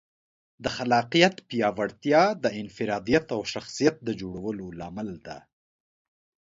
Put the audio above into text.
د خلاقیت پیاوړتیا د انفرادیت او شخصیت د جوړولو لامل ده.